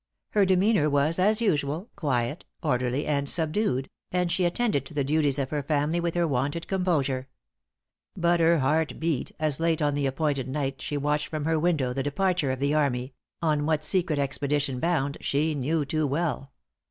Her demeanor was, as usual, quiet, orderly, and subdued, and she attended to the duties of her family with her wonted composure. But her heart beat, as late on the appointed night, she watched from her window the departure of the army on what secret expedition bound, she knew too well!